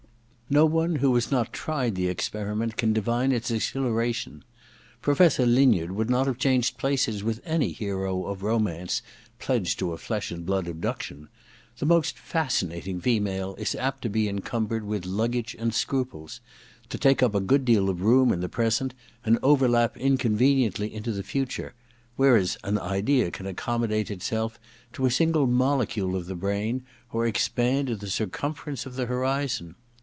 No one who has not tried the experiment can divine its exhilaration. Professor Linyard would not have changed places with any hero of romance pledged to a flesh and blood abduction. The most fascinating female is apt to be en cumbered with luggage and scruples : to take up a good deal of room in the present and overlap inconveniently into the future ; whereas an idea can accommodate itself to a single molecule of the brain or expand to the cir cumference of the horizon.